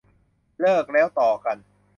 เลิกแล้วต่อกัน